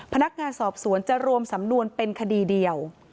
พนักงานสอบสวนจะรวมสำนวนเป็นคดีเดียว